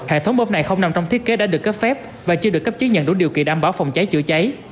hệ thống bơm này không nằm trong thiết kế đã được cấp phép và chưa được cấp chứng nhận đủ điều kiện đảm bảo phòng cháy chữa cháy